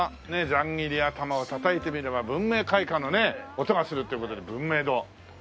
ざん切り頭をたたいてみれば文明開化の音がするっていう事で文明堂。